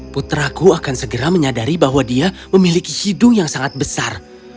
putraku akan segera menyadari bahwa dia memiliki hidung yang sangat besar